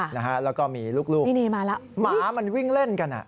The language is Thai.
แล้วก็มีลูกหมามันวิ่งเล่นกัน